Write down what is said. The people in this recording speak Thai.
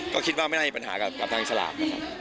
ก็คิดว่าไม่ได้ปัญหากับทางฉลาบ